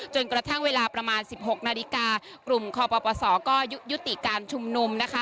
จนกระทั่งเวลาประมาณ๑๖นาฬิกากลุ่มคอปศก็ยุติการชุมนุมนะคะ